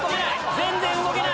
全然動けない。